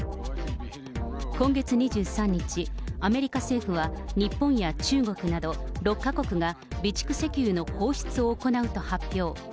今月２３日、アメリカ政府は日本や中国など６か国が備蓄石油の放出を行うと発表。